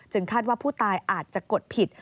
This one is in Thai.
คาดว่าผู้ตายอาจจะกดผิด